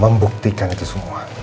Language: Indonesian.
membuktikan itu semua